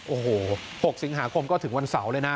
โอ้โห๖สิงหาคมก็ถึงวันเสาร์เลยนะ